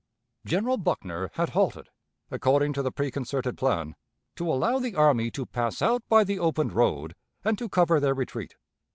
"General Buckner had halted, according to the preconcerted plan, to allow the army to pass out by the opened road and to cover their retreat.